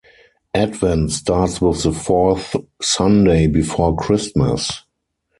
Advent starts with the fourth Sunday before Christmas.